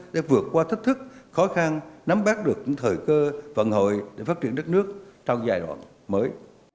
để vượt qua thách thức khó khăn nắm bắt được những thời cơ vận hội để phát triển đất nước trong giai đoạn mới